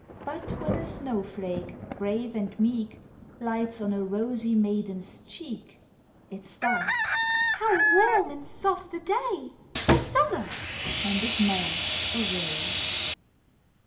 But when a snow flake, brave and meek, Lights on a rosy maiden's cheek, It starts —" How warm and soft the day ! 'T is summer !"— and it melts away.